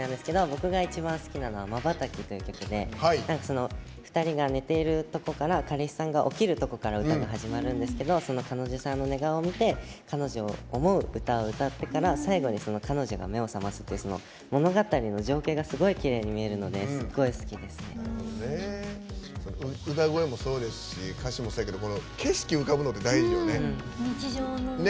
僕が一番好きなのは「まばたき」という曲で２人が寝ているところから彼氏さんが起きるとこから歌が始まるんですけど彼女さんの寝顔を見て彼女を思う歌を歌ってから最後に、その彼女が目を覚ますっていう物語の情景がすごいきれいに見えるので歌声もそうですし歌詞もそうやけど景色、浮かぶのって大事よね。